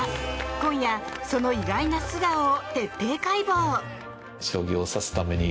今夜、その意外な素顔を徹底解剖。